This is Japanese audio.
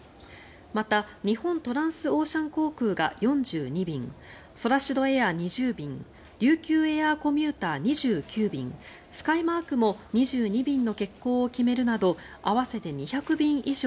また日本トランスオーシャン航空が４２便ソラシドエア、２０便琉球エアーコミューター、２９便スカイマークも２２便の欠航を決めるなど合わせて２００便以上